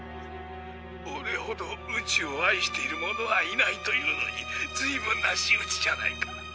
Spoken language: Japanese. オレほど宇宙を愛している者はいないというのにずいぶんな仕打ちじゃないか。